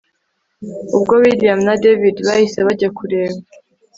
ubwo william na david bahise bajya kureba